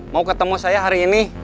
mau ketemu saya hari ini